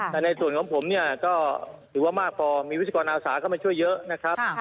แต่ในส่วนของผมถือว่ามีวิทยุคอนาศาเข้ามาช่วยเยอะนะครับ